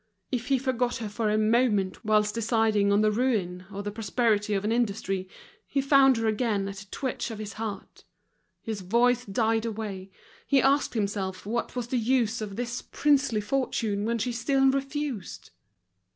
If he forgot her for a moment whilst deciding on the ruin or the prosperity of an industry, he found her again at a twitch of his heart; his voice died away, he asked himself what was the use of this princely fortune when she still refused.